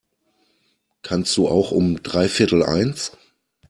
Kannst du auch um dreiviertel eins?